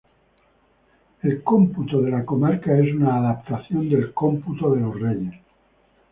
El Cómputo de la Comarca es una adaptación del Cómputo de los Reyes.